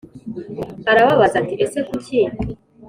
arababaza, ati: «ese kuki?»